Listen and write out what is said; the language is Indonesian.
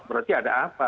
berarti ada apa